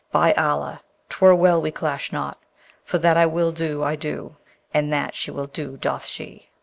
By Allah! 'twere well we clash not; for that I will do I do, and that she will do doth she.'